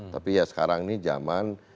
tapi ya sekarang ini zaman